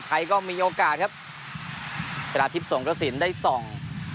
ไทยก็มีโอกาสครับกระทิบส่งก็สินได้สอง